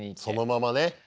そのままね。